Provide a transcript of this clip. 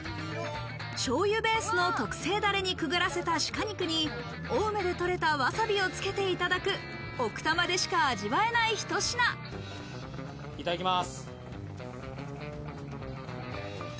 しょうゆベースの特製ダレにくぐらせたシカ肉に、青梅でとれたわさびをつけていただく奥多摩でしか味わえない、いただきます。